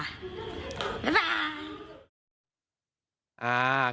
บ๊ายบาย